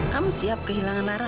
kamu siap kehilangan lara